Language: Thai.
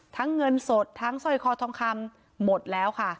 เงินสดทั้งสร้อยคอทองคำหมดแล้วค่ะ